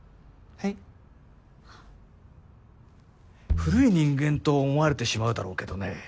古い人間と思われてしまうだろうけどね